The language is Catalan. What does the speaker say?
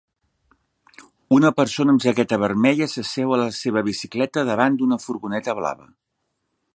Una persona amb jaqueta vermella s'asseu a la seva bicicleta, davant d'una furgoneta blava.